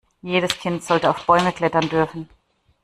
Jedes Kind sollte auf Bäume klettern dürfen.